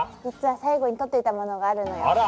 実は最後に取っておいたものがあるのよ。